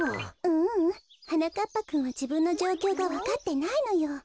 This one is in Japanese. ううんはなかっぱくんはじぶんのじょうきょうがわかってないのよ。